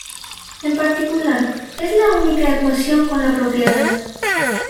En particular, es la única ecuación con la propiedad.